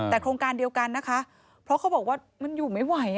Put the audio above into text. แต่โครงการเดียวกันนะคะเพราะเขาบอกว่ามันอยู่ไม่ไหว